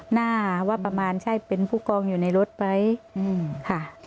หน้าว่าประมาณใช่เป็นผู้กองอยู่ในรถไหมค่ะ